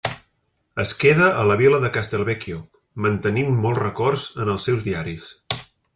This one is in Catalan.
Es queda a la vila de Castelvecchio, mantenint molts records en els seus diaris.